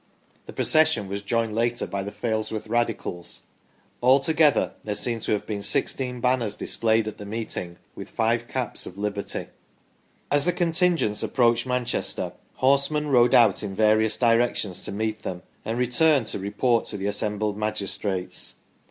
The procession was joined later by the Failsworth Radicals. Altogether there seem to have been sixteen banners displayed at the meeting, with five caps of liberty. As the contingents approached Manchester, horsemen rode out in various directions to meet them and returned to report to the assembled magistrates.